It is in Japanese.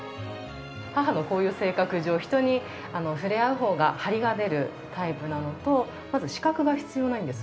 母のこういう性格上人にふれあう方が張りが出るタイプなのとまず資格が必要ないんです。